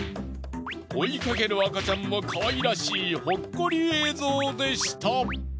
追いかける赤ちゃんがかわいらしいほっこり映像でした。